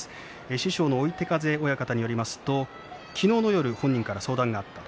師匠の追手風親方によりますと昨日の夜、本人から相談があった。